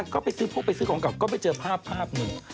ก็ไปซื้อพวกไปซื้อของเก่าก็ไปเจอภาพภาพหนึ่ง